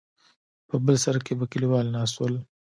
په بل سر کې به کليوال ناست ول.